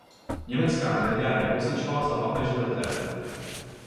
Německá média jej označovala za "papeže literatury".